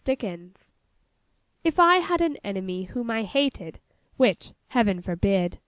BILL STICKING IF I had an enemy whom I hated—which Heaven forbid!